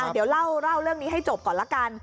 เดี๋ยวเล่าเรื่องนี้ให้จบก่อนละกัน